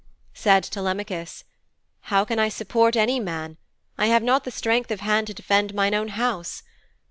Said Telemachus, 'How can I support any man? I have not the strength of hand to defend mine own house.